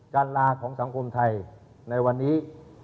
การลาของสังคมไทยในวันนี้